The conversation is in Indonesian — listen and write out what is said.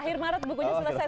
akhir maret bukunya selesai